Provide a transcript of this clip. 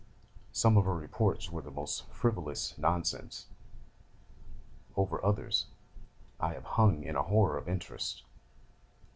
Some of her reports were the most frivolous nonsense: over others I have hung in a horror of interest.